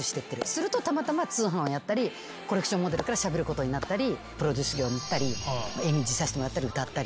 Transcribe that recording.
するとたまたま通販をやったりコレクションモデルからしゃべることになったりプロデュース業にいったり演じさせてもらったり歌ったり。